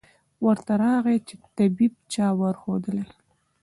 ورته راغی چي طبیب چا ورښودلی